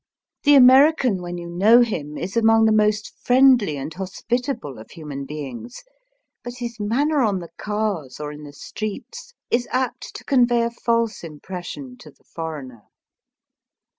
The American when you know him is among the most friendly and hospitable of human beings ; but his manner on the cars or in the streets is apt to convey a false impres sion to the foreigner.